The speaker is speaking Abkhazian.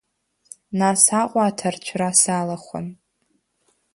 Нас Аҟәа аҭарцәра салахәын.